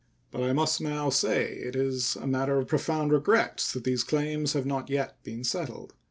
But I must now say it is matter of profound regret that these claims have not yet been settled.